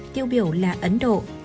tiêu biểu là ấn độ